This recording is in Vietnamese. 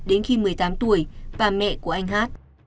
đến khi một mươi tám tuổi và mẹ của anh hát